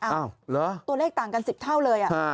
อ้าวหรือตัวเลขต่างกัน๑๐เท่าเลย